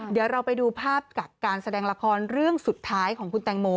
เดี๋ยวเราไปดูภาพกับการแสดงละครเรื่องสุดท้ายของคุณแตงโม